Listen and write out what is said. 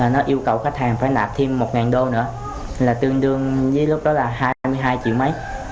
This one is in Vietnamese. nó yêu cầu khách hàng phải nạp thêm một đô nữa là tương đương với lúc đó là hai mươi hai triệu mấy